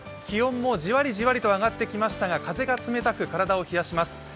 気温もじわりじわりと上がってきましたが風が冷たく体を冷やします。